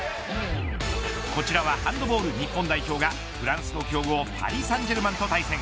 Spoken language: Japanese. こちらはハンドボール日本代表がフランスの強豪パリ・サンジェルマンと対戦。